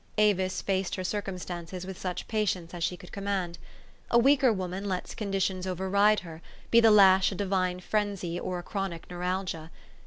Avis faced her circumstances with such patience as she could command. A weaker woman lets conditions override her, be the lash a divine frenzy or a chronic neuralgia.